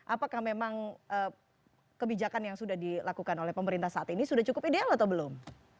apakah memang kebijakan yang sudah dilakukan oleh pemerintah saat ini sudah cukup ideal atau belum